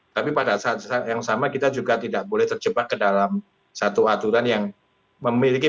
tapi pada saat yang sama kita juga tidak boleh terjebak ke dalam satu aturan yang memiliki